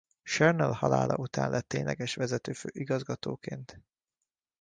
Chernel halála után lett tényleges vezető igazgatóként.